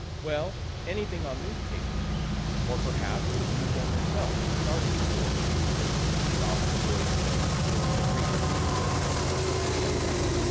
"Well, anything on newspapers, or perhaps what you've done yourself, starting them." And off the boys went, for we had reach'd the Philadelphia side.